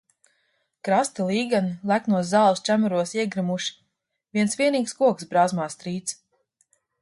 Krasti līgani leknos zāles čemuros iegrimuši, viens vienīgs koks brāzmās trīc.